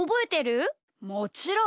もちろん！